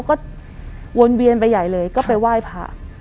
ก็วนเวียนไปใหญ่เลยก็ไปไหว้พระ